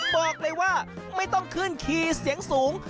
บอกเลยว่าไม่ต้องขึ้นคีย์เสียงสูง